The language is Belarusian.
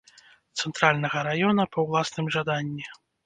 Цэнтральнага раёна па ўласным жаданні.